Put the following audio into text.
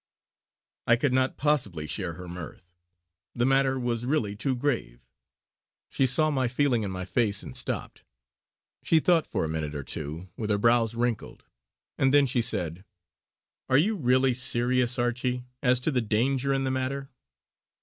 I could not possibly share her mirth; the matter was really too grave. She saw my feeling in my face and stopped. She thought for a minute or two with her brows wrinkled and then she said: "Are you really serious, Archie, as to any danger in the matter?"